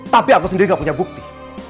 tapi aku sendiri gak punya bukti